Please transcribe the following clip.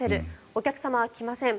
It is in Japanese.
お客様は来ません。